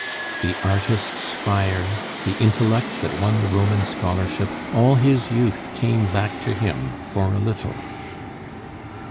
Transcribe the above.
The artist's fire, the intellect that won the Roman scholarship all his youth came back to him for a little.